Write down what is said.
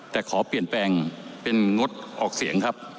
แต่ขอเปลี่ยนแปลงเป็นงดออกเสียงครับ